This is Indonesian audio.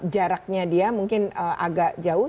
jaraknya dia mungkin agak jauh